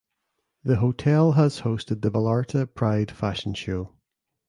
The hotel has hosted the Vallarta Pride Fashion Show.